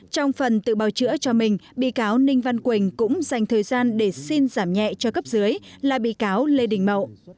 trong phần tự bào chữa cho mình bị cáo ninh văn quỳnh cũng dành thời gian để xin giảm nhẹ cho cấp dưới là bị cáo lê đình mậu